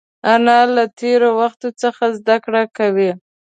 انا له تېر وخت څخه زده کړه کوي